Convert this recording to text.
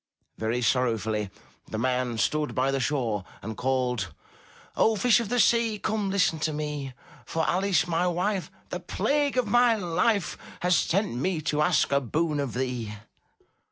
Very sorrowfully, the man stood by the shore and called: "O Fish of the Sea, come, listen to me, For Alice, my wife, the plague of my life. Has sent me to ask a boon of thee."